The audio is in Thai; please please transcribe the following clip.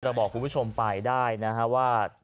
บอกคุณผู้ชมไปได้นะฮะว่า